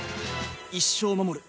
一生守る。